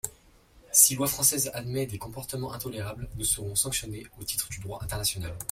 Si loi française admet des comportements intolérables, nous serons sanctionnés au titre du droit international.